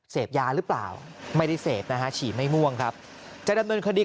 เสพยาหรือเปล่าไม่ได้เสพนะฮะฉี่ไม่ม่วงครับจะดำเนินคดี